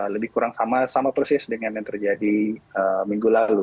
lebih kurang sama persis dengan yang terjadi minggu lalu